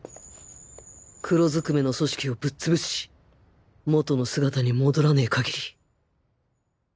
黒ずくめの組織をぶっ潰し元の姿に戻らねぇ限り